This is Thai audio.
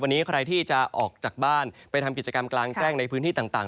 วันนี้ใครที่จะออกจากบ้านไปทำกิจกรรมกลางแจ้งในพื้นที่ต่าง